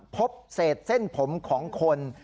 พบเศษเส้นผมของคน